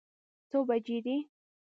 څه بجې دي؟